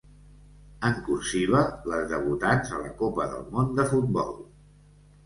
En cursiva, les debutants a la Copa del Món de Futbol.